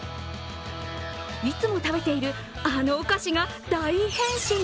いつも食べているあのお菓子が大変身。